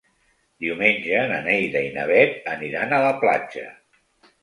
Diumenge na Neida i na Bet aniran a la platja.